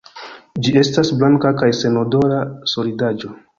Ĝi estas blanka kaj senodora solidaĵo.